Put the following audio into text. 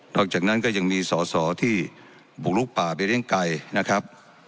หลังจากนั้นก็ยังมีสอสอที่บุกลุกป่าไปเลี้ยงไก่นะครับ